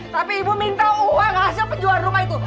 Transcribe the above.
tapi ibu minta uang hasil penjualan rumah itu